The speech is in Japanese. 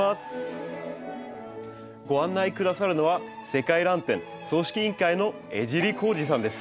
ご案内下さるのは世界らん展組織委員会の江尻光二さんです。